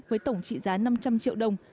với tổng trị giá năm trăm linh triệu đồng